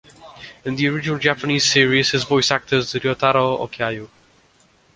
In the original Japanese series, his voice actor is Ryotaro Okiayu.